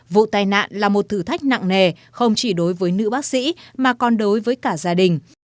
vụ tai nạn là một thử thách nặng nề không chỉ đối với nữ bác sĩ mà còn đối với cả gia đình